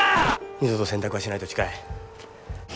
二度と洗濯はしないと誓え。